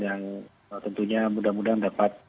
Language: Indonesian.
yang tentunya mudah mudahan dapat